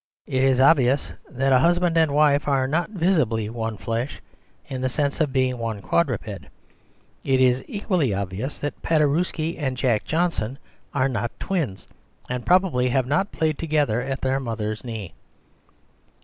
It is obvious that a husband and wife are not 16 The Superstition of Divorce visibly one flesh, in the sense of being one quadruped. It is equatfy obvious that Pade rewski and Jack Johnson are not twins, and probably have not played together at their mother's knee.